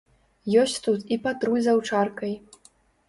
Ёсць тут і патруль з аўчаркай.